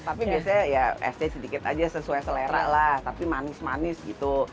tapi biasanya ya esnya sedikit aja sesuai selera lah tapi manis manis gitu